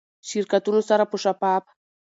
شرکتونو سره به شفاف،